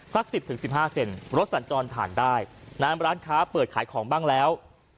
สัก๑๐๑๕เซนรถสัญจรผ่านได้นานร้านค้าเปิดขายของบ้างแล้ว